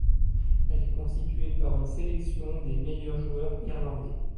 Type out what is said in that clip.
Elle est constituée par une sélection des meilleurs joueurs irlandais.